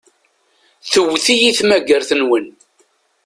Tewwet-iyi tmagart-nwen.